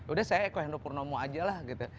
udah saya eko hendro purnomo aja lah gitu